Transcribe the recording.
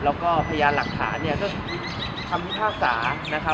แล้วก็พยานหลักฐานคือคำพิภาพศาสตร์